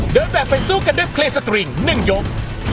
เดินแปลกไปสู้กันด้วยเลือดกระดาฬ๑ยก